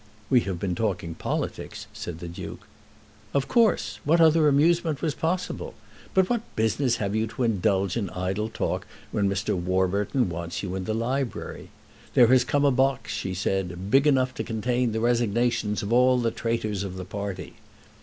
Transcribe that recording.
"We have been talking politics," said the Duke. "Of course. What other amusement was possible? But what business have you to indulge in idle talk when Mr. Warburton wants you in the library? There has come a box," she said, "big enough to contain the resignations of all the traitors of the party."